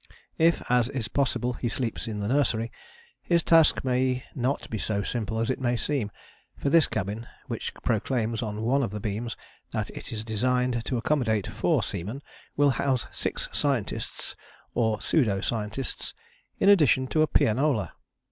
If, as is possible, he sleeps in the Nursery, his task may not be so simple as it may seem, for this cabin, which proclaims on one of the beams that it is designed to accommodate four seamen, will house six scientists or pseudo scientists, in addition to a pianola.